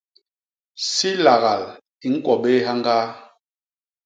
Si lagal i ñkwo bé hyañgaa.